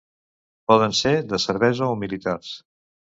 Poden ser de cervesa o militars.